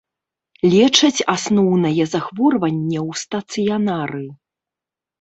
Лечаць асноўнае захворванне ў стацыянары.